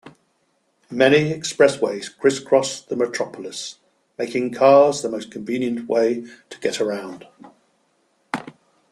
Many expressways criss-cross the metropolis making cars the most convenient way to get around.